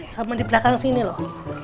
sama di belakang sini loh